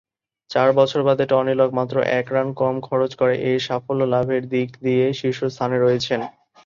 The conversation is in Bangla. চার বছর বাদে টনি লক মাত্র এক রান কম খরচ করে এ সাফল্য লাভের দিক দিয়ে শীর্ষস্থানে রয়েছেন।